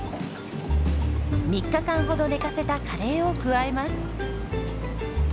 ３日間ほど寝かせたカレーを加えます。